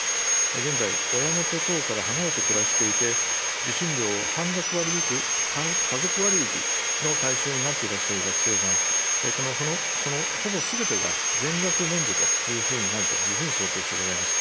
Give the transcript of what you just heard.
現在、親元等から離れて暮らしていて、受信料を半額割り引く家族割引の対象になっていらっしゃる学生さん、そのほぼすべてが全額免除というふうになるというふうに想定してございます。